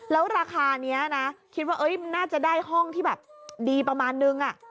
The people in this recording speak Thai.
แล้วราคานี้นะคิดว่ามันน่าจะได้ห้องที่แบบดีประมาณนึง